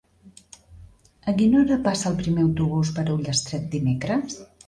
A quina hora passa el primer autobús per Ullastret dimecres?